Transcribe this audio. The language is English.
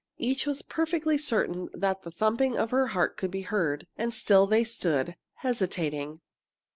Each was perfectly certain that the thumping of her heart could be heard. And still they stood, hesitating.